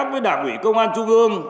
với đảng ủy công an trung ương